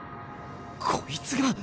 こいつが。